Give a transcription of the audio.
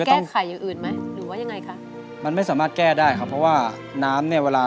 คุณช้างถ้าสมมุติว่าไม่ได้ตังสมมุติได้ไม่ถึงเป้า